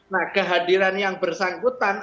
nah kehadiran yang bersangkutan